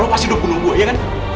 lo pasti udah bunuh gue iya kan